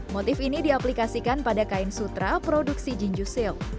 motif ini diaplikasikan pada kain sutra produksi jinju silk